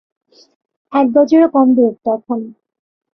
এক গজেরও কম দূরত্ব এখন।